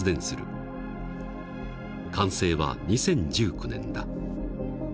完成は２０１９年だ。